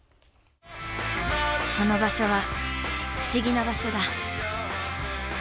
その場所は、不思議な場所だ。